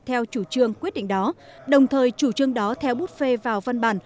theo chủ trương quyết định đó đồng thời chủ trương đó theo bút phê vào văn bản